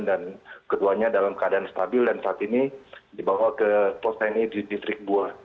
dan keduanya dalam keadaan stabil dan saat ini dibawa ke pos tni di distrik bua